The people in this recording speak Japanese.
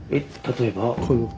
例えば？